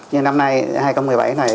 nhưng năm nay hai nghìn một mươi bảy này